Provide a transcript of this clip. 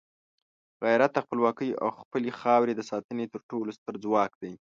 غیرت د خپلواکۍ او خپلې خاورې د ساتنې تر ټولو ستر ځواک دی.